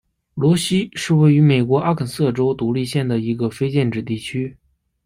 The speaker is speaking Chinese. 罗西是位于美国阿肯色州独立县的一个非建制地区。